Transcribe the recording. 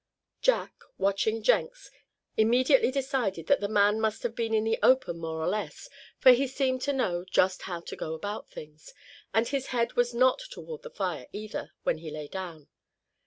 Jack, watching Jenks, immediately decided that the man must have been in the open more or less, for he seemed to know just how to go about things; and his head was not toward the fire either, when he lay down.